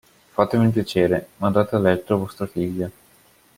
Fatemi il piacere, mandate a letto vostra figlia.